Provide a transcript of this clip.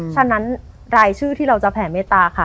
ฉะนั้นรายชื่อที่เราจะแผ่เมตตาค่ะ